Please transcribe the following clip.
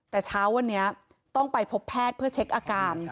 แต่เช้าวันนี้ต้องไปพบแพทย์เพื่อเช็คอาการ